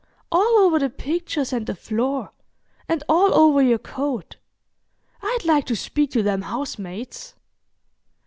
"All over the pictures and the floor, and all over your coat. I'd like to speak to them housemaids."